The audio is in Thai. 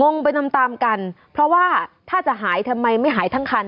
งไปตามตามกันเพราะว่าถ้าจะหายทำไมไม่หายทั้งคัน